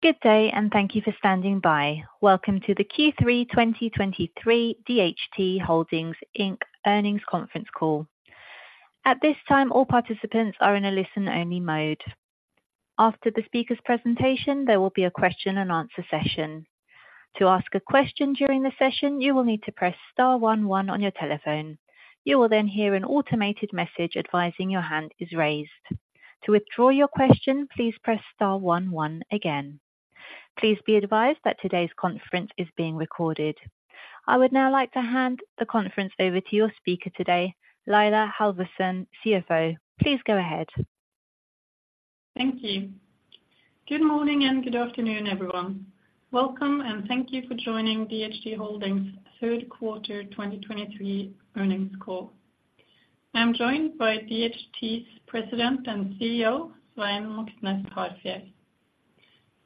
Good day, and thank you for standing by. Welcome to the Q3 2023 DHT Holdings, Inc. earnings conference call. At this time, all participants are in a listen-only mode. After the speaker's presentation, there will be a question-and-answer session. To ask a question during the session, you will need to press star one one on your telephone. You will then hear an automated message advising your hand is raised. To withdraw your question, please press star one one again. Please be advised that today's conference is being recorded. I would now like to hand the conference over to your speaker today, Laila Halvorsen, CFO. Please go ahead. Thank you. Good morning, and good afternoon, everyone. Welcome, and thank you for joining DHT Holdings third quarter 2023 earnings call. I'm joined by DHT's President and CEO, Svein Moxnes Harfjeld.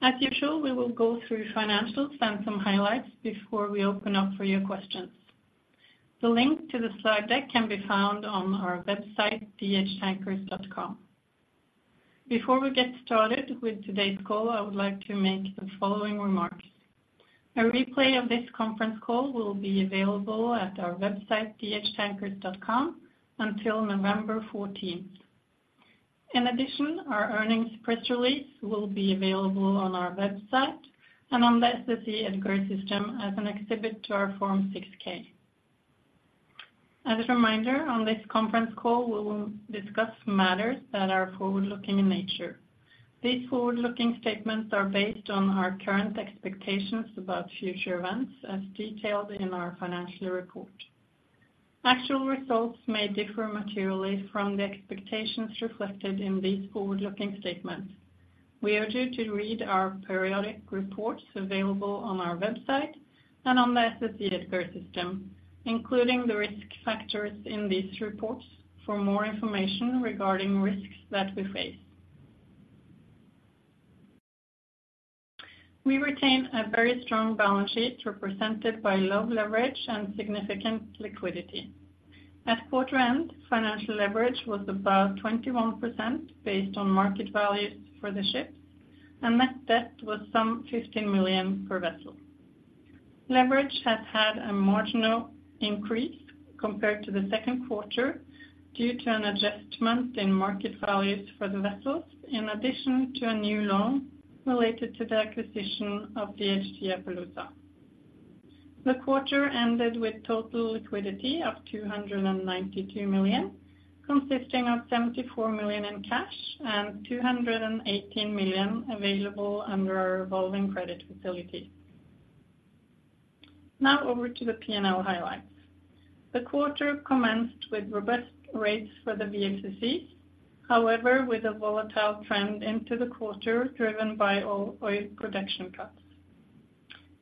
As usual, we will go through financials and some highlights before we open up for your questions. The link to the slide deck can be found on our website, dhtankers.com. Before we get started with today's call, I would like to make the following remarks: A replay of this conference call will be available at our website, dhtankers.com, until November 14th. In addition, our earnings press release will be available on our website and on the SEC EDGAR system as an exhibit to our Form 6-K. As a reminder, on this conference call, we will discuss matters that are forward-looking in nature. These forward-looking statements are based on our current expectations about future events, as detailed in our financial report. Actual results may differ materially from the expectations reflected in these forward-looking statements. We urge you to read our periodic reports available on our website and on the SEC EDGAR system, including the risk factors in these reports for more information regarding risks that we face. We retain a very strong balance sheet, represented by low leverage and significant liquidity. At quarter end, financial leverage was about 21%, based on market values for the ships, and net debt was some $15 million per vessel. Leverage has had a marginal increase compared to the second quarter due to an adjustment in market values for the vessels, in addition to a new loan related to the acquisition of DHT Appaloosa. The quarter ended with total liquidity of $292 million, consisting of $74 million in cash and $218 million available under our revolving credit facility. Now over to the P&L highlights. The quarter commenced with robust rates for the VLCC, however, with a volatile trend into the quarter, driven by oil production cuts.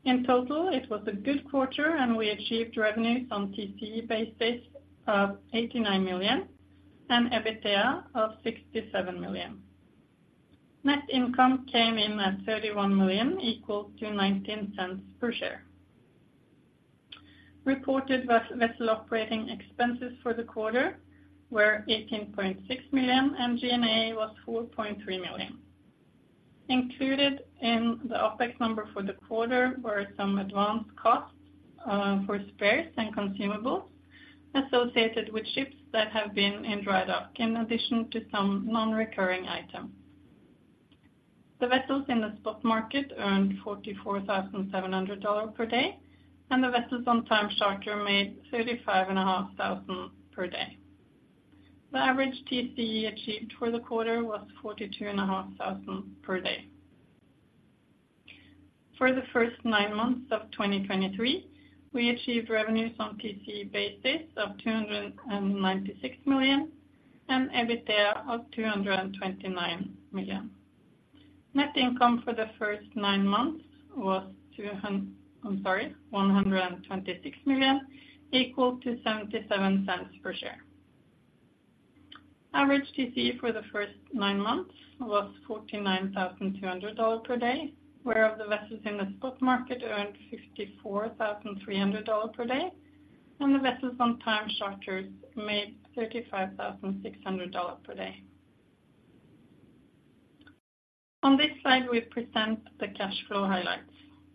In total, it was a good quarter, and we achieved revenues on TC basis of $89 million and EBITDA of $67 million. Net income came in at $31 million, equal to $0.19 per share. Reported vessel operating expenses for the quarter were $18.6 million, and G&A was $4.3 million. Included in the OpEx number for the quarter were some advanced costs for spares and consumables associated with ships that have been in dry dock, in addition to some non-recurring items. The vessels in the spot market earned $44,700 per day, and the vessels on time charter made $35,500 per day. The average TC achieved for the quarter was $42,500 per day. For the first nine months of 2023, we achieved revenues on TC basis of $296 million and EBITDA of $229 million. Net income for the first nine months was $126 million, equal to $0.77 per share. Average TC for the first nine months was $49,200 per day, whereof the vessels in the spot market earned $54,300 per day, and the vessels on time charters made $35,600 per day. On this slide, we present the cash flow highlights.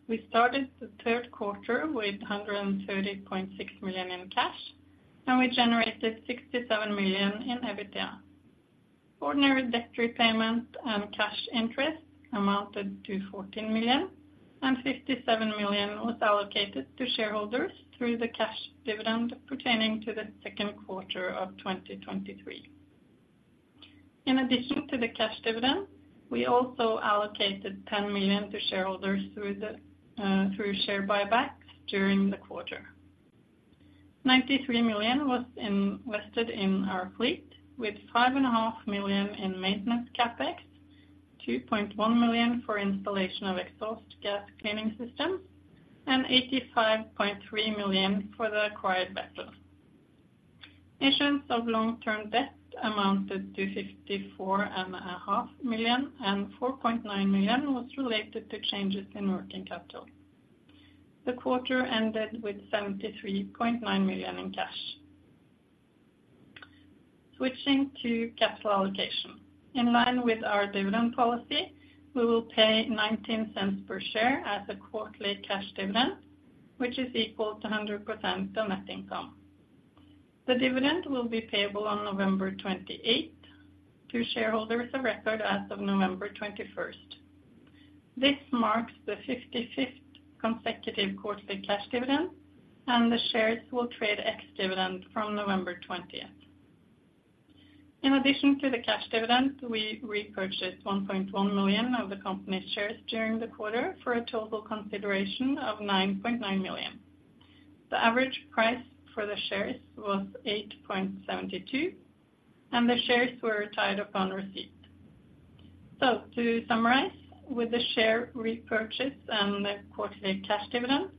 We started the third quarter with $130.6 million in cash, and we generated $67 million in EBITDA. Ordinary debt repayment and cash interest amounted to $14 million, and $57 million was allocated to shareholders through the cash dividend pertaining to the second quarter of 2023. In addition to the cash dividend, we also allocated $10 million to shareholders through share buybacks during the quarter. $93 million was invested in our fleet with $5.5 million in maintenance CapEx, $2.1 million for installation of exhaust gas cleaning system, and $85.3 million for the acquired vessels. Issuance of long-term debt amounted to $54.5 million, and $4.9 million was related to changes in working capital. The quarter ended with $73.9 million in cash. Switching to capital allocation. In line with our dividend policy, we will pay $0.19 per share as a quarterly cash dividend, which is equal to 100% the net income. The dividend will be payable on November 28th to shareholders of record as of November 21st. This marks the 55th consecutive quarterly cash dividend, and the shares will trade ex-dividend from November 20th. In addition to the cash dividend, we repurchased 1.1 million of the company's shares during the quarter for a total consideration of $9.9 million. The average price for the shares was $8.72, and the shares were retired upon receipt. So to summarize, with the share repurchase and the quarterly cash dividend,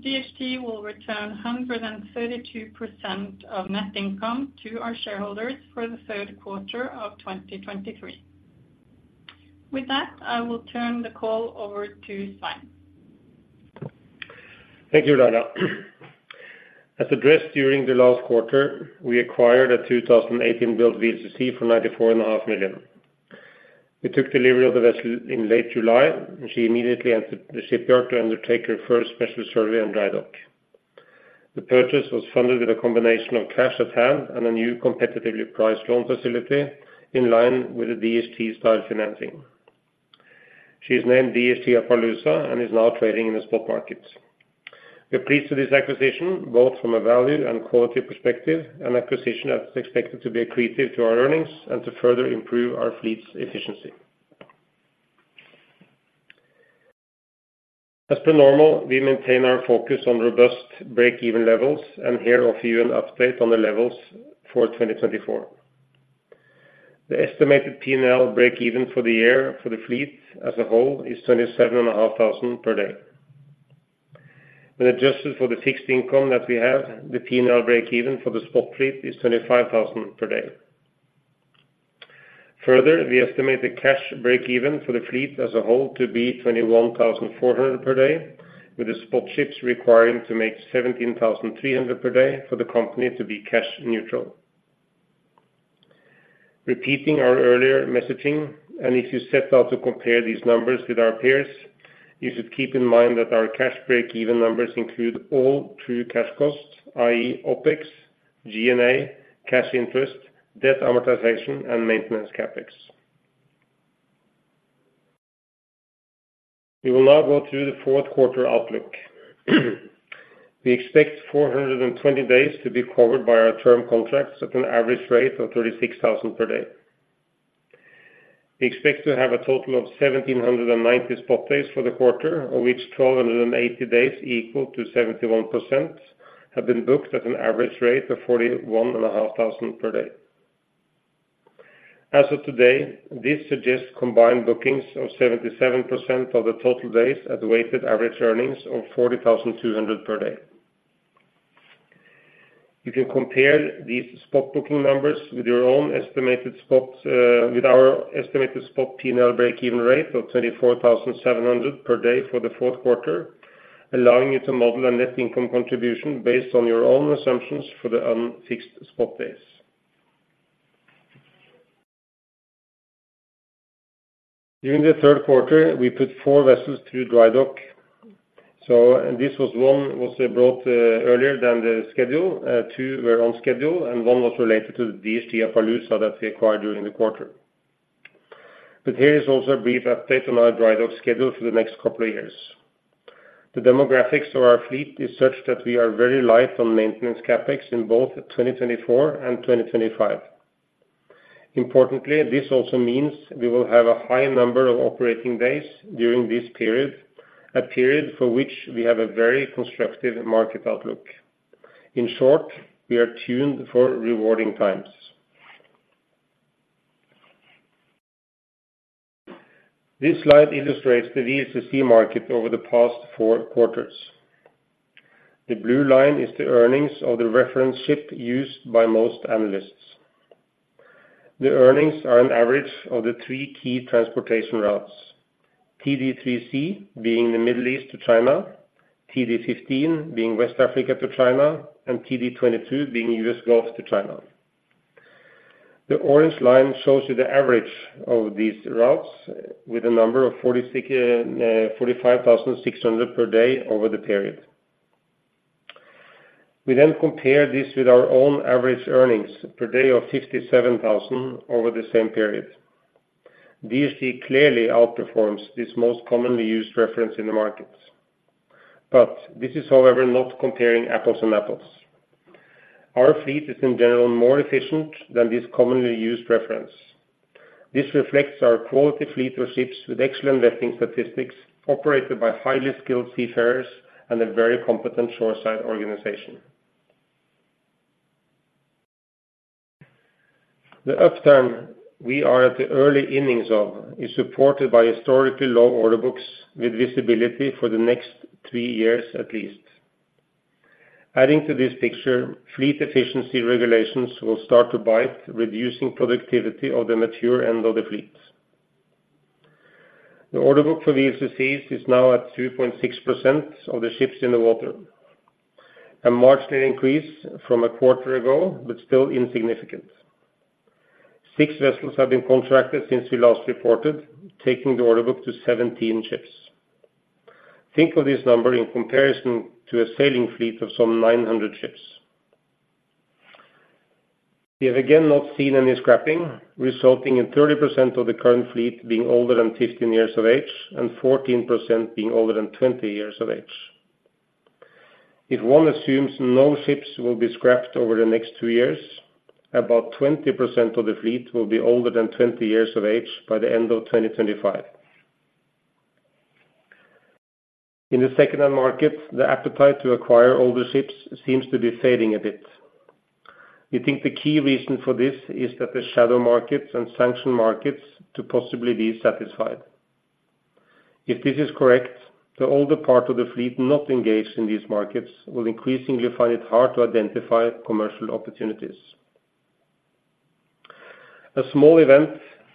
DHT will return 132% of net income to our shareholders for the third quarter of 2023. With that, I will turn the call over to Svein. Thank you, Laila. As addressed during the last quarter, we acquired a 2018-built VLCC for $94.5 million. We took delivery of the vessel in late July, and she immediately entered the shipyard to undertake her first special survey on dry dock. The purchase was funded with a combination of cash at hand and a new competitively priced loan facility in line with the DHT style financing. She is named DHT Appaloosa, and is now trading in the spot market. We are pleased with this acquisition, both from a value and quality perspective, an acquisition that is expected to be accretive to our earnings and to further improve our fleet's efficiency. As per normal, we maintain our focus on robust break-even levels, and here offer you an update on the levels for 2024. The estimated P&L breakeven for the year for the fleet as a whole is $27,500 per day. When adjusted for the fixed income that we have, the P&L breakeven for the spot fleet is $25,000 per day. Further, we estimate the cash breakeven for the fleet as a whole to be $21,400 per day, with the spot ships requiring to make $17,300 per day for the company to be cash neutral. Repeating our earlier messaging, and if you set out to compare these numbers with our peers, you should keep in mind that our cash breakeven numbers include all true cash costs, i.e., OpEx, G&A, cash interest, debt amortization, and maintenance CapEx. We will now go through the fourth quarter outlook. We expect 420 days to be covered by our term contracts at an average rate of $36,000 per day. We expect to have a total of 1,790 spot days for the quarter, of which 1,280 days, equal to 71%, have been booked at an average rate of $41,500 per day. As of today, this suggests combined bookings of 77% of the total days at the weighted average earnings of $40,200 per day. You can compare these spot booking numbers with your own estimated spots with our estimated spot P&L break-even rate of $24,700 per day for the fourth quarter, allowing you to model a net income contribution based on your own assumptions for the unfixed spot days. During the third quarter, we put four vessels through dry dock. So this was one was brought earlier than the schedule, two were on schedule, and one was related to the DHT Appaloosa that we acquired during the quarter. But here is also a brief update on our dry dock schedule for the next couple of years. The demographics of our fleet is such that we are very light on maintenance CapEx in both 2024 and 2025. Importantly, this also means we will have a high number of operating days during this period, a period for which we have a very constructive market outlook. In short, we are tuned for rewarding times. This slide illustrates the VLCC market over the past four quarters. The blue line is the earnings of the reference ship used by most analysts. The earnings are an average of the three key transportation routes, TD3C, being the Middle East to China, TD15 being West Africa to China, and TD22 being US Gulf to China. The orange line shows you the average of these routes with a number of $45,600 per day over the period. We then compare this with our own average earnings per day of $57,000 over the same period. DHT clearly outperforms this most commonly used reference in the markets, but this is, however, not comparing apples and apples. Our fleet is in general more efficient than this commonly used reference. This reflects our quality fleet of ships with excellent vetting statistics, operated by highly skilled seafarers and a very competent shoreside organization. The upturn we are at the early innings of is supported by historically low order books with visibility for the next three years at least. Adding to this picture, fleet efficiency regulations will start to bite, reducing productivity of the mature end of the fleet. The order book for VLCCs is now at 2.6% of the ships in the water, a marginal increase from a quarter ago, but still insignificant. Six vessels have been contracted since we last reported, taking the order book to 17 ships. Think of this number in comparison to a sailing fleet of some 900 ships. We have again not seen any scrapping, resulting in 30% of the current fleet being older than 15 years of age and 14% being older than 20 years of age. If one assumes no ships will be scrapped over the next two years, about 20% of the fleet will be older than 20 years of age by the end of 2025. In the second-hand market, the appetite to acquire older ships seems to be fading a bit. We think the key reason for this is that the shadow markets and sanction markets to possibly be satisfied. If this is correct, the older part of the fleet not engaged in these markets will increasingly find it hard to identify commercial opportunities. A small event,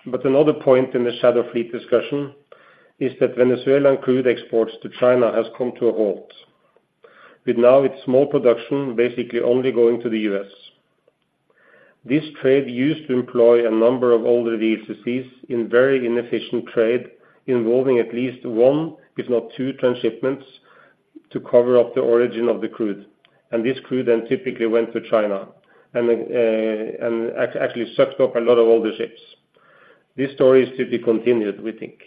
but another point in the shadow fleet discussion is that Venezuelan crude exports to China has come to a halt, with now its small production basically only going to the U.S. This trade used to employ a number of older VLCCs in very inefficient trade, involving at least one, if not two, transshipments to cover up the origin of the crude, and this crude then typically went to China and actually sucked up a lot of older ships. This story is to be continued, we think.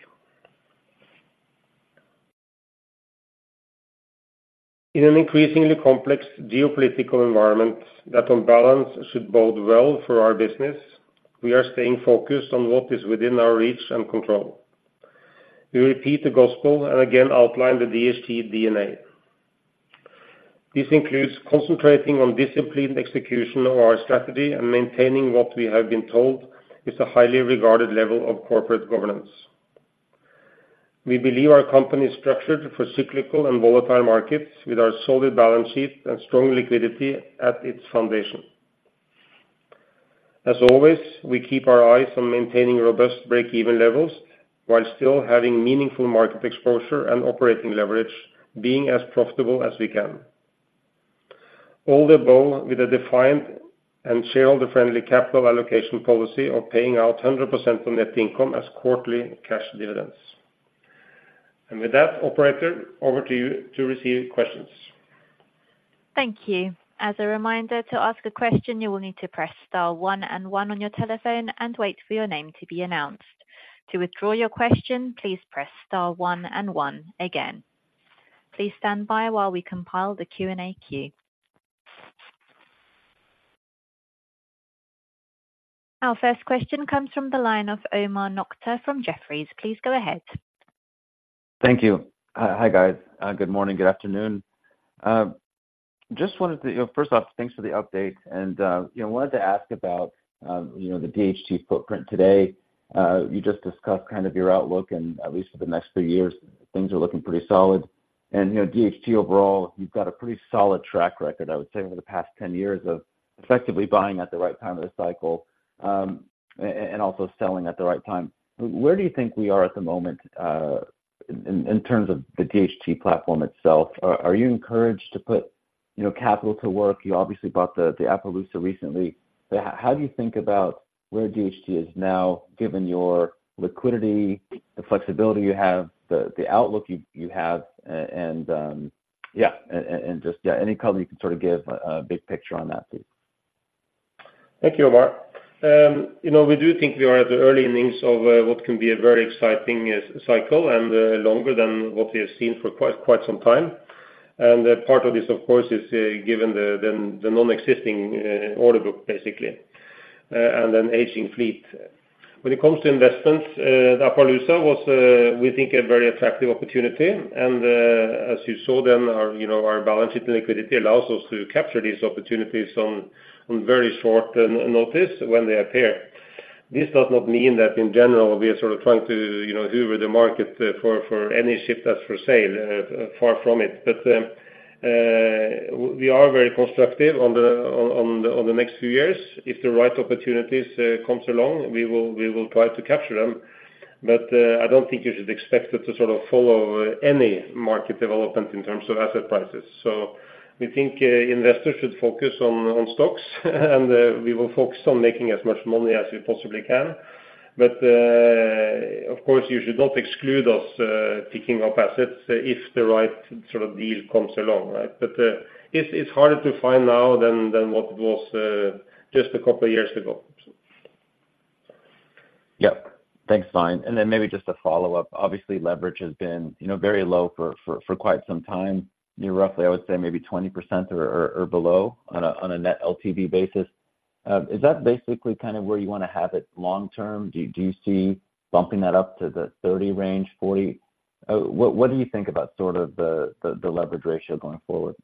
In an increasingly complex geopolitical environment, that on balance should bode well for our business, we are staying focused on what is within our reach and control. We repeat the gospel and again outline the DHT DNA. This includes concentrating on disciplined execution of our strategy and maintaining what we have been told is a highly regarded level of corporate governance. We believe our company is structured for cyclical and volatile markets, with our solid balance sheet and strong liquidity at its foundation. As always, we keep our eyes on maintaining robust break-even levels while still having meaningful market exposure and operating leverage, being as profitable as we can. All the above, with a defined and shareholder-friendly capital allocation policy of paying out 100% of net income as quarterly cash dividends. And with that, operator, over to you to receive questions. Thank you. As a reminder, to ask a question, you will need to press star one and one on your telephone and wait for your name to be announced. To withdraw your question, please press star one and one again. Please stand by while we compile the Q&A queue. Our first question comes from the line of Omar Nokta from Jefferies. Please go ahead. Thank you. Hi, guys. Good morning, good afternoon. Just wanted to—you know, first off, thanks for the update and, you know, wanted to ask about, you know, the DHT footprint today. You just discussed kind of your outlook, and at least for the next three years, things are looking pretty solid. And, you know, DHT overall, you've got a pretty solid track record, I would say, over the past 10 years of effectively buying at the right time of the cycle, and also selling at the right time. Where do you think we are at the moment, in terms of the DHT platform itself? Are you encouraged to put, you know, capital to work? You obviously bought the Appaloosa recently, but how do you think about where DHT is now, given your liquidity, the flexibility you have, the outlook you have, and just any color you can sort of give a big picture on that, please. Thank you, Omar. You know, we do think we are at the early innings of what can be a very exciting cycle and longer than what we have seen for quite some time. And part of this, of course, is given the non-existing order book, basically, and an aging fleet. When it comes to investments, the Appaloosa was, we think, a very attractive opportunity. And as you saw then, our, you know, our balance sheet and liquidity allows us to capture these opportunities on very short notice when they appear. This does not mean that in general, we are sort of trying to, you know, hoover the market for any ship that's for sale, far from it. But we are very constructive on the next few years. If the right opportunities comes along, we will try to capture them. But, I don't think you should expect us to sort of follow any market development in terms of asset prices. So we think, investors should focus on stocks, and we will focus on making as much money as we possibly can. But, of course, you should not exclude us picking up assets if the right sort of deal comes along, right? But, it's harder to find now than what it was just a couple of years ago. Yep. Thanks, Svein. Then maybe just a follow-up. Obviously, leverage has been, you know, very low for quite some time. You know, roughly, I would say maybe 20% or below on a net LTV basis. Is that basically kind of where you want to have it long term? Do you see bumping that up to the 30 range, 40? What do you think about sort of the leverage ratio going forward?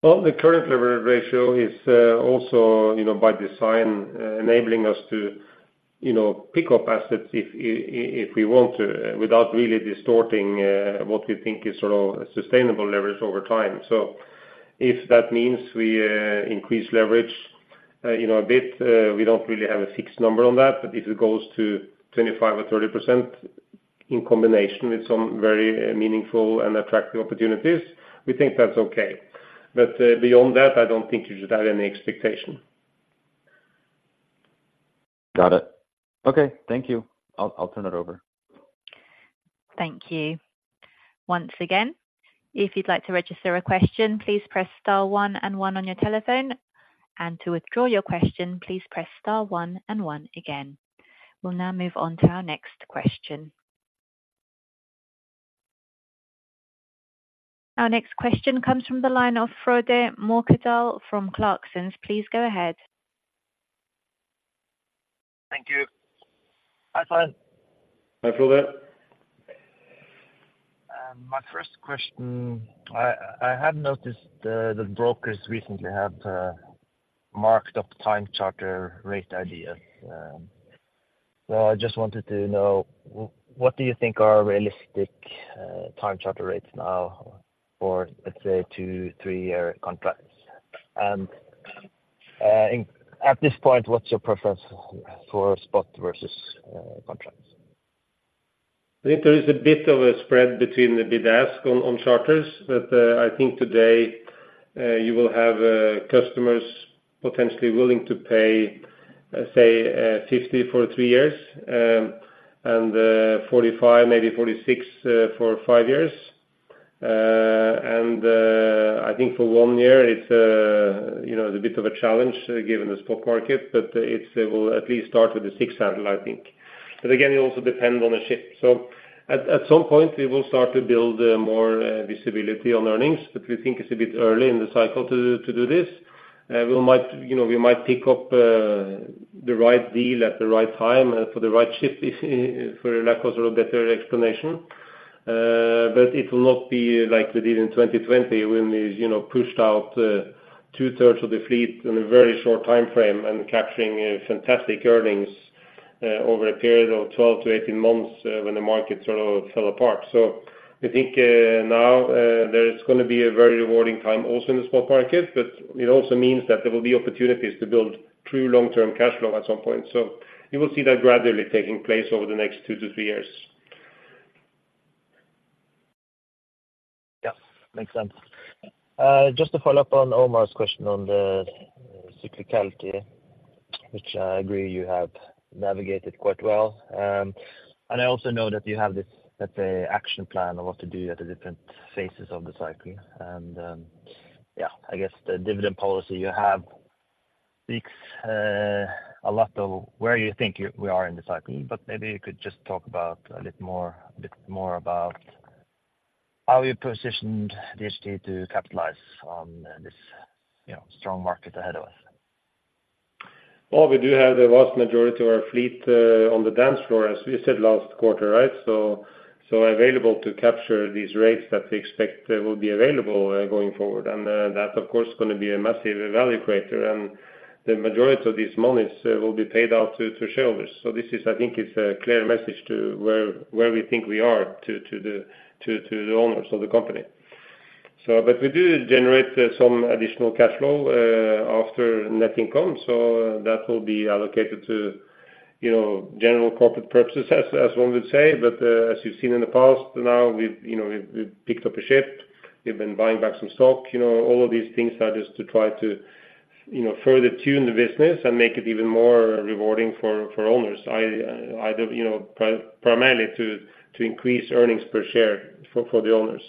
Well, the current leverage ratio is also, you know, by design, enabling us to, you know, pick up assets if we want to, without really distorting what we think is sort of sustainable leverage over time. So if that means we increase leverage, you know, a bit, we don't really have a fixed number on that, but if it goes to 25% or 30% in combination with some very meaningful and attractive opportunities, we think that's okay. But beyond that, I don't think you should have any expectation. Got it. Okay. Thank you. I'll turn it over. Thank you. Once again, if you'd like to register a question, please press star one and one on your telephone, and to withdraw your question, please press star one and one again. We'll now move on to our next question. Our next question comes from the line of Frode Mørkedal from Clarksons. Please go ahead. Thank you. Hi, Svein. Hi, Frode. My first question, I have noticed the brokers recently have marked up time charter rate ideas. So I just wanted to know, what do you think are realistic time charter rates now for, let's say, two, three-year contracts? And at this point, what's your preference for spot versus contracts? I think there is a bit of a spread between the bid-ask on charters, but I think today you will have customers potentially willing to pay, let's say, $50 for three years, and $45, maybe $46, for five years. And I think for one year, it's a, you know, it's a bit of a challenge given the spot market, but it will at least start with a six handle, I think. But again, it also depend on the ship. So at some point, we will start to build more visibility on earnings, but we think it's a bit early in the cycle to do this. We might, you know, we might pick up the right deal at the right time for the right ship, for lack of a better explanation. But it will not be like we did in 2020 when we, you know, pushed out two-thirds of the fleet in a very short time frame and capturing fantastic earnings over a period of 12 months-18 months when the market sort of fell apart. So we think now there is gonna be a very rewarding time also in the spot market, but it also means that there will be opportunities to build true long-term cash flow at some point. So you will see that gradually taking place over the next two years-three years. Yeah, makes sense. Just to follow up on Omar's question on the cyclicality, which I agree you have navigated quite well. I also know that you have this, let's say, action plan of what to do at the different phases of the cycle. Yeah, I guess the dividend policy you have speaks a lot of where you think you're—we are in the cycle, but maybe you could just talk about a bit more, a bit more about how you positioned DHT to capitalize on this, you know, strong market ahead of us. Well, we do have the vast majority of our fleet on the dance floor, as we said last quarter, right? So available to capture these rates that we expect will be available going forward. And that, of course, is gonna be a massive value creator, and the majority of these monies will be paid out to shareholders. So this is, I think, a clear message to where we think we are to the owners of the company. But we do generate some additional cash flow after net income, so that will be allocated to, you know, general corporate purposes, as one would say. But, as you've seen in the past, now we've, you know, picked up a ship, we've been buying back some stock, you know, all of these things are just to try to, you know, further tune the business and make it even more rewarding for owners. You know, primarily to increase earnings per share for the owners.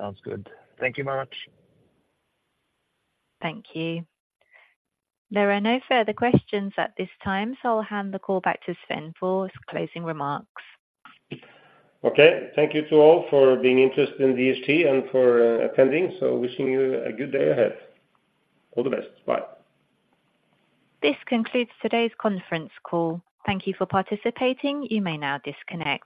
Sounds good. Thank you very much. Thank you. There are no further questions at this time, so I'll hand the call back to Svein for his closing remarks. Okay. Thank you to all for being interested in DHT and for attending. Wishing you a good day ahead. All the best. Bye. This concludes today's conference call. Thank you for participating. You may now disconnect.